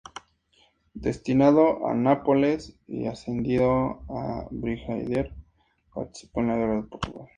Destinado a Nápoles y ascendido a brigadier, participó en la guerra de Portugal.